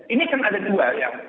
ini kan ada dua yang